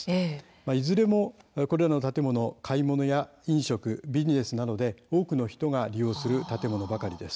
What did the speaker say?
いずれも買い物や飲食ビジネスなどで多くの人が利用する建物ばかりです。